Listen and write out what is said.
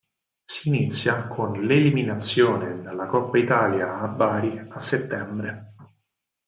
Si inizia con l'eliminazione dalla Coppa Italia a Bari a settembre.